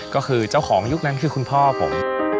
ก็คือเจ้าของยุคนั้นคือคุณพ่อผม